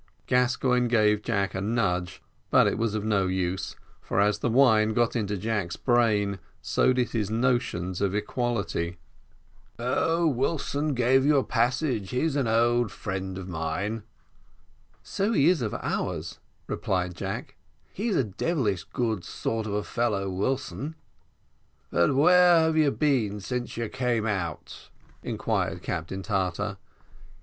Gascoigne gave Jack a nudge, but was of no use, for as the wine got into Jack's brain, so did his notions of equality. "Oh! Wilson gave you a passage; he's an old friend of mine." "So he is of ours," replied Jack; "he's a devilish good sort of a fellow, Wilson." "But where have you been since you came out?" inquired Captain Tartar.